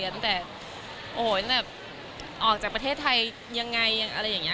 ตั้งแต่โอ้โหแบบออกจากประเทศไทยยังไงอะไรอย่างนี้